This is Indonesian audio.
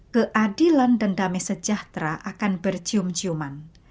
keadilan dan damai sejahtera akan bercium ciuman